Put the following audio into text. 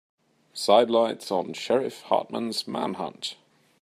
Sidelights on Sheriff Hartman's manhunt.